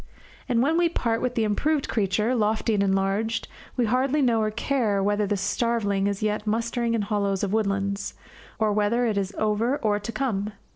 And when we part with the improved creature, lofty and enlarged, we hardly know or care whether the starveling is yet mustering in hollows of woodlands, or whether it is over or to come.